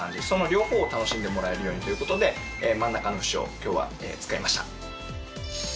その両方を楽しんでもらえるようにという事で真ん中の節を今日は使いました。